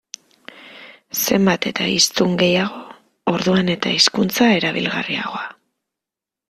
Zenbat eta hiztun gehiago, orduan eta hizkuntza erabilgarriagoa.